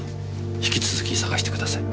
ひき続き捜してください。